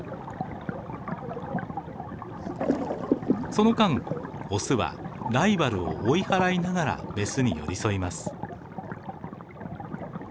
その間オスはライバルを追い払いながらメスに寄り添います。